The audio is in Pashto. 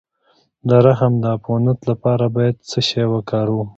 د رحم د عفونت لپاره باید څه شی وکاروم؟